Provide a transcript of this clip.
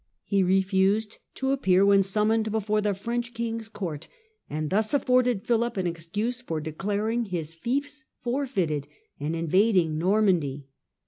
He refused to appear when summoned before the French king's court, and thus afforded Philip an excuse for declaring his fiefs forfeited, and invading Normandy.